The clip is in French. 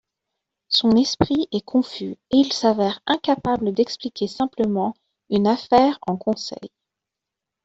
Son esprit est confus et il s'avère incapable d'expliquer simplement une affaire en conseil.